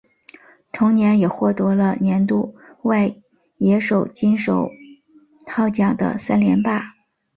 同年也获得了年度外野手金手套奖的三连霸。